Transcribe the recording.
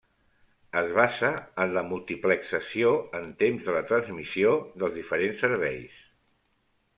Es basa en la multiplexació en temps de la transmissió dels diferents serveis.